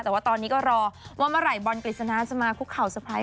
แต่ว่าตอนนี้ก็รอว่าเมื่อไหร่บอลกฤษณาจะมาคุกเข่าเตอร์ไพรส